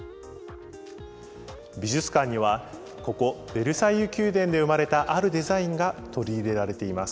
美術館にはここベルサイユ宮殿で生まれたあるデザインが取り入れられています。